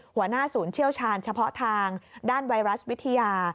หัวหน้าศูนย์เชี่ยวชาญเฉพาะทางด้านไวรัสวิทยา